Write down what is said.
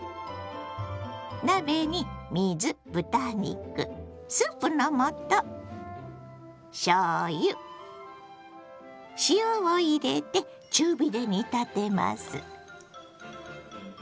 鍋に水豚肉スープの素しょうゆ塩を入れて中火で煮立てます。